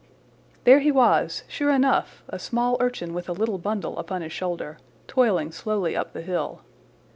There he was, sure enough, a small urchin with a little bundle upon his shoulder, toiling slowly up the hill.